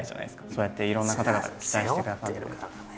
そうやっていろんな方々が期待してくださって。